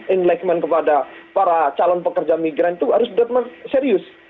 enlegment kepada para calon pekerja migran itu harus serius